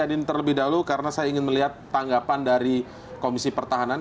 saya ingin terlebih dahulu karena saya ingin melihat tanggapan dari komisi pertahanan